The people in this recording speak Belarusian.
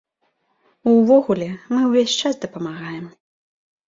Увогуле, мы ўвесь час дапамагаем.